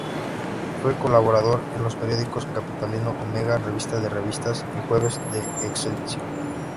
Fue colaborador en los periódicos capitalino "Omega", "Revista de Revistas" y "Jueves de Excelsior".